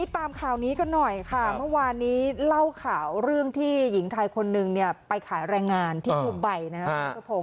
ตามข่าวนี้กันหน่อยค่ะเมื่อวานนี้เล่าข่าวเรื่องที่หญิงไทยคนหนึ่งเนี่ยไปขายแรงงานที่ดูไบนะครับ